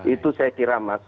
itu saya kira masuknya